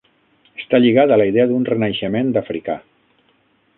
Està lligat a la idea d'un Renaixement africà.